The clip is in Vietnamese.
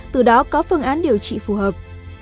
từ đó có phương án điều trị phù hợp